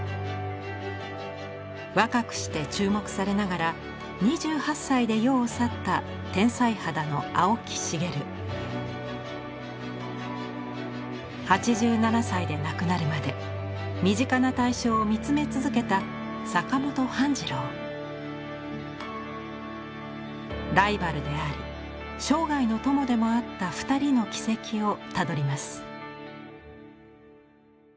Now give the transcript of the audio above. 若くして注目されながら２８歳で世を去った天才肌の８７歳で亡くなるまで身近な対象を見つめ続けたライバルであり生涯の友でもあった二人の軌跡をたどります。